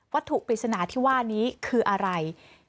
ถูกปริศนาที่ว่านี้คืออะไร